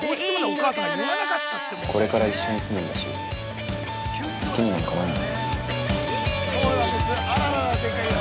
◆これから一緒に住むんだし好きになんかなんなよ。